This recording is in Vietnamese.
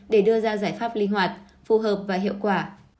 để đưa ra giải pháp linh hoạt phù hợp và hiệu quả